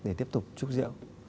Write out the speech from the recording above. để tiếp tục chúc rượu